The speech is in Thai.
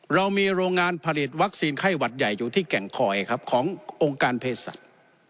เรามีโรงงานผลิตวัคซีนไข้หวัดใหญ่อยู่ที่แก่งคอยครับขององค์การเพศสัตว์